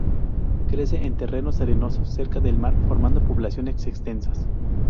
Crece en terrenos arenosos cerca del mar formando poblaciones extensas.